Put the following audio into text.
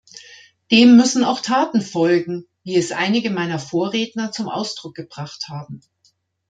Dem müssen auch Taten folgen, wie es einige meiner Vorredner zum Ausdruck gebracht haben.